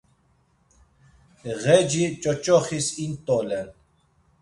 Ğeci ç̌oç̌oxis int̆olen.